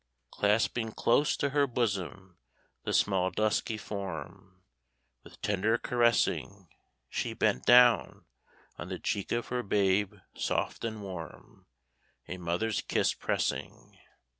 Clasping close to her bosom the small dusky form, With tender caressing, She bent down, on the cheek of her babe soft and warm A mother's kiss pressing.